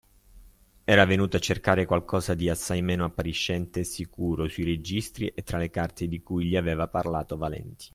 Era venuto a cercare qualcosa di assai meno appariscente e sicuro sui registri e tra le carte di cui gli aveva parlato Valenti.